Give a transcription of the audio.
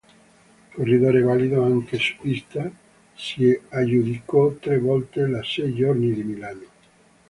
Corridore valido anche su pista, si aggiudicò tre volte la Sei giorni di Milano.